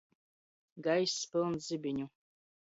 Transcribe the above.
Gaiss pylns zibiņu.